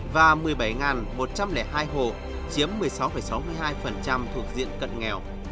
và một mươi bảy một trăm linh hai hộ chiếm một mươi sáu sáu mươi hai thuộc diện cận nghèo